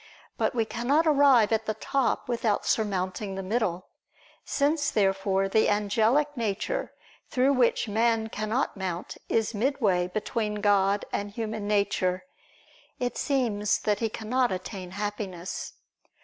But we cannot arrive at the top without surmounting the middle. Since, therefore, the angelic nature through which man cannot mount is midway between God and human nature; it seems that he cannot attain Happiness.